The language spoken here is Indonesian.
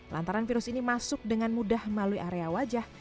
lantaran virus ini masuk dengan mudah melalui area wajah